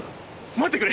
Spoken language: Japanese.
待ってくれ！